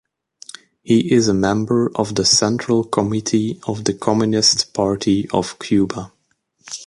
He is a member of the Central Committee of the Communist Party of Cuba.